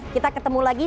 kita ketemu lagi